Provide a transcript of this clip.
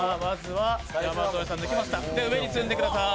上に積んでください。